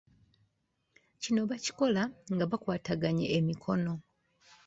Kino bakikola nga bakwataganye emikono.